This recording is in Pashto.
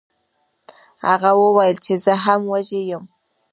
هغه وویل چې زه هم وږی یم.